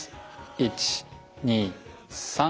１２３。